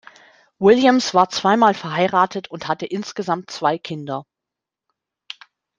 Williams war zweimal verheiratet und hatte insgesamt zwei Kinder.